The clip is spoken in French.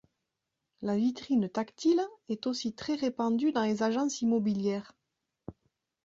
La vitrine tactile est aussi très répandue dans les agences immobilières.